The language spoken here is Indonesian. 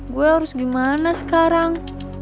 gue harus gimana sekarang